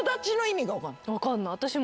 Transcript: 分かんない私も。